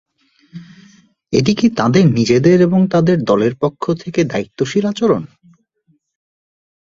এটি কি তাঁদের নিজেদের এবং তাঁদের দলের পক্ষ থেকে দায়িত্বশীল আচরণ?